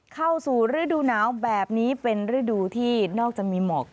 เข้าสู่ฤดูหนาวแบบนี้เป็นฤดูที่นอกจากมีหมอก